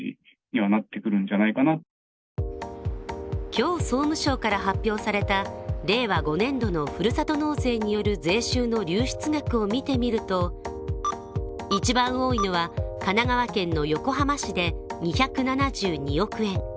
今日、総務省から発表された令和５年度のふるさと納税による税収の流出額を見てみると一番多いのは神奈川県の横浜市で２７２億円。